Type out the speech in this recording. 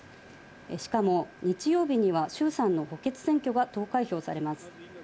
しかも日曜日には衆参の補欠選挙が投開票されます。